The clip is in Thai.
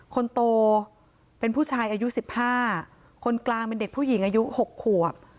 คนโตเป็นผู้ชายอายุ๑๕คนกลางเป็นเด็กผู้หญิงอายุ๖ขวบ